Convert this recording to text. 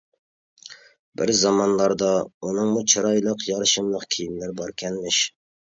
بىر زامانلاردا ئۇنىڭمۇ چىرايلىق، يارىشىملىق كىيىملىرى باركەنمىش.